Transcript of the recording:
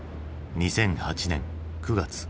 ２００８年９月。